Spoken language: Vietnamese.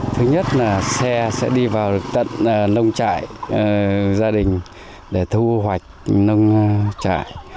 thứ nhất là xe sẽ đi vào tận lông trại gia đình để thu hoạch nông trại